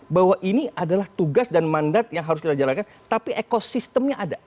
bahwa ini adalah tugas dan mandat yang harus kita jalankan tapi ekosistemnya ada